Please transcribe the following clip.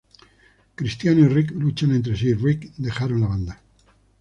Cristiano y Rick luchan entre sí, y Rick dejaron la banda.